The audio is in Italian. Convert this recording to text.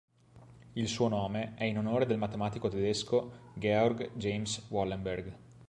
Il suo nome è in onore del matematico tedesco Georg James Wallenberg.